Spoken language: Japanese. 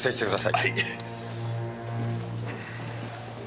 はい。